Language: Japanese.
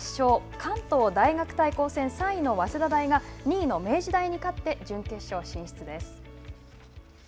関東大学対抗戦３位の早稲田大が２位の明治大に勝って準決勝進出です。